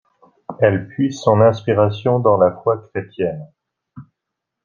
Elle puise son inspiration dans la foi chrétienne.